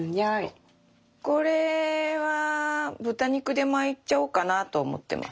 これは豚肉で巻いちゃおうかなと思ってます。